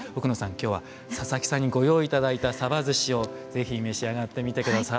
今日は佐々木さんにご用意頂いたさばずしをぜひ召し上がってみて下さい。